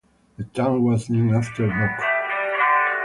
The town was named after Doc.